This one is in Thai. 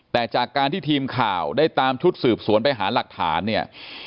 แต่จากการที่ทีมข่าวได้ตามชุดสืบสวนไปหาหลักฐานเนี่ย